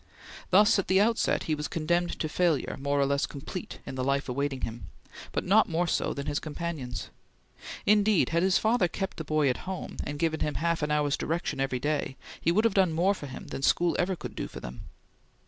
Thus, at the outset, he was condemned to failure more or less complete in the life awaiting him, but not more so than his companions. Indeed, had his father kept the boy at home, and given him half an hour's direction every day, he would have done more for him than school ever could do for them.